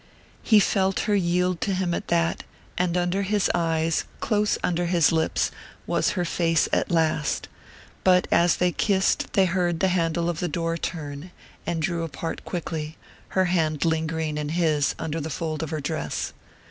He felt her yield to him at that, and under his eyes, close under his lips, was her face at last. But as they kissed they heard the handle of the door turn, and drew apart quickly, her hand lingering in his under the fold of her dress.